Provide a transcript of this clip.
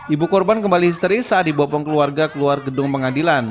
ibu korban kembali histeris saat dibopong keluarga keluar gedung pengadilan